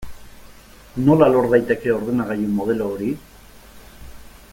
Nola lor daiteke ordenagailu modelo hori?